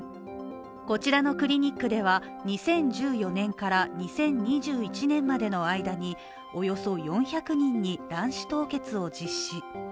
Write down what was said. こちらのクリニックでは２０１４年から２０２１年までの間におよそ４００人に卵子凍結を実施。